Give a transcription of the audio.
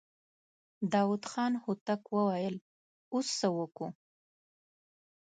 داوود خان هوتک وويل: اوس څه وکو؟